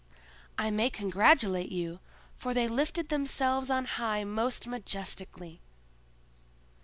I may congratulate you, for they lifted themselves on high most majestically!"